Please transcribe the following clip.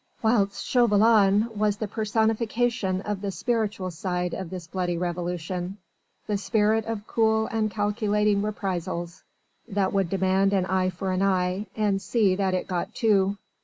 Whilst Chauvelin was the personification of the spiritual side of this bloody Revolution the spirit of cool and calculating reprisals that would demand an eye for an eye and see that it got two.